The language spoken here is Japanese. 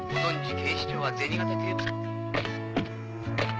警視庁は銭形警部さ。